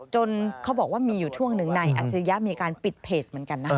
เขาบอกว่ามีอยู่ช่วงหนึ่งนายอัจฉริยะมีการปิดเพจเหมือนกันนะ